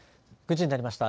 ９時になりました。